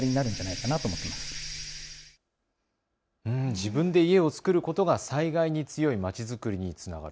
自分で家を作ることが災害に強い町づくりにつながる。